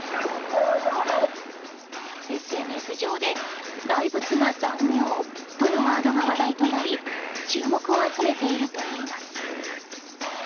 ＳＮＳ上で大仏が残業とのワードが話題になり注目を集めているといいます。